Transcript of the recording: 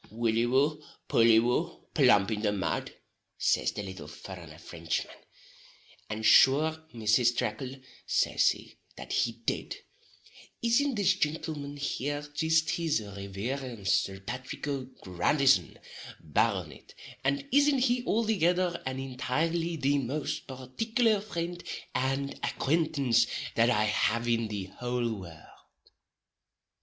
"Wully woo, pully woo, plump in the mud," says the little furrenner Frinchman, "and sure Mrs. Tracle," says he, that he did, "isn't this gintleman here jist his reverence Sir Pathrick O'Grandison, Barronitt, and isn't he althegither and entirely the most particular frind and acquaintance that I have in the houl world?"